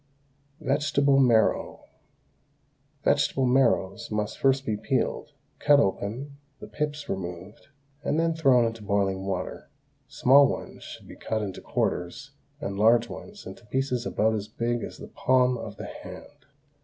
VEGETABLE MARROW. Vegetable marrows must be first peeled, cut open, the pips removed, and then thrown into boiling water; small ones should be cut into quarters and large ones into pieces about as big as the palm of the hand.